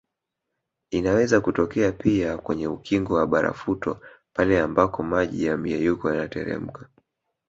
Inaweza kutokea pia kwenye ukingo wa barafuto pale ambako maji ya myeyuko yanateremka